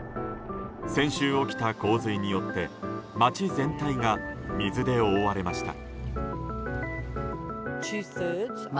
先週起きた洪水によって街全体が水で覆われました。